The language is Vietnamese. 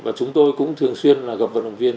và chúng tôi cũng thường xuyên là gặp vận động viên